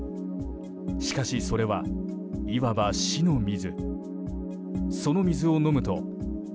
しかしそれは、いわば死の水。